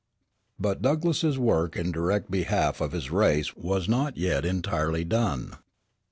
But Douglass's work in direct behalf of his race was not yet entirely done.